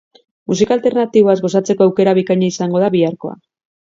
Musika alternatiboaz gozatzeko aukera bikaina izango da biharkoa.